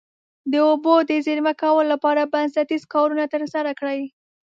د اوبو د زیرمه کولو لپاره بنسټیز کارونه ترسره کړي.